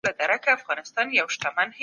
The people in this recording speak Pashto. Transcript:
تلیفونونه او پیغامونه باید محرم وي.